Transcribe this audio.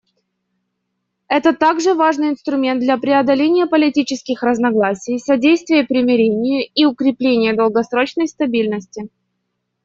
Это также важный инструмент для преодоления политических разногласий, содействия примирению и укрепления долгосрочной стабильности.